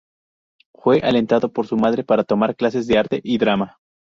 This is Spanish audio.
Fue alentado por su madre para tomar clases de arte y drama.